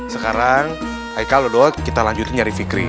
sekarang haikal dodot kita lanjutin nyari fikri